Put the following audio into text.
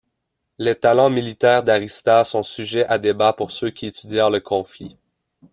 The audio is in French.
Les talents militaires d'Arista sont sujets à débats pour ceux qui étudièrent le conflit.